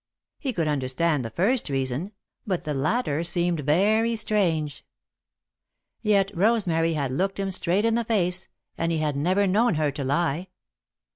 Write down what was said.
He could understand the first reason, but the latter seemed very strange. Yet Rosemary had looked him straight in the face and he had never known her to lie.